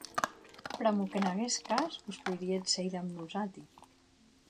Pr'amor qu'en aguest cas vos poiríetz sèir damb nosati.